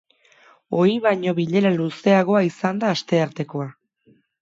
Ohi baino bilera luzeagoa izan da asteartekoa.